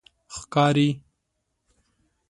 ښکاری